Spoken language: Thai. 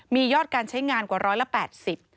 มียอดการใช้งานกว่า๑๘๐บาท